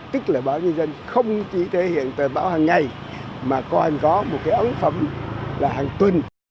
tức là báo nhân dân không chỉ thể hiện tờ báo hàng ngày mà còn có một cái ấn phẩm là hàng tuần